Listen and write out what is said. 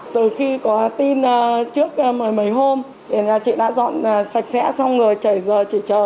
từ khi có tin trước mấy hôm chị đã dọn sạch sẽ xong rồi chảy rời